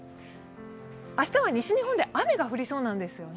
明日は西日本で雨が降りそうなんですよね。